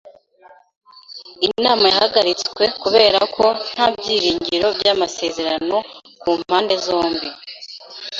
Inama yahagaritswe kubera ko nta byiringiro by’amasezerano ku mpande zombi.